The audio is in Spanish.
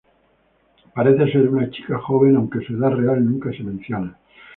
Parece ser una chica joven, aunque su edad real nunca se menciona.